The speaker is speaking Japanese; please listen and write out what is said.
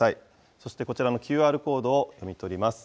そしてこちらのＱＲコードを読み取ります。